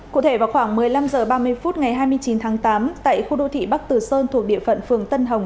cụ thể vào khoảng một mươi năm h ba mươi phút ngày hai mươi chín tháng tám tại khu đô thị bắc tử sơn thuộc địa phận phường tân hồng